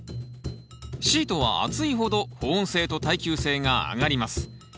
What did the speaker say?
シートは厚いほど保温性と耐久性が上がります。